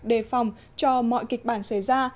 đề phòng cho mọi kịch bản xảy ra